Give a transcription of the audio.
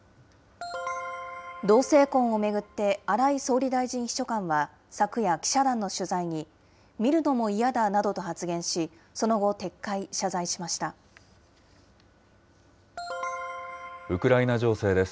同性婚を巡って、荒井総理大臣秘書官は昨夜、記者団の取材に見るのも嫌だなどと発言し、その後、撤回、謝罪しウクライナ情勢です。